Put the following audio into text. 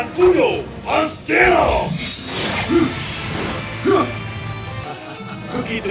dua lawan satu